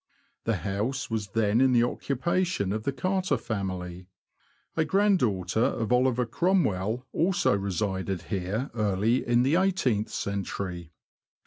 The house was then in the occupation of the Carter family. A granddaughter of Oliver Cromwell also resided here early in the eighteenth century.